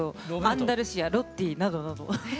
アンダルシアロッティーなどなど。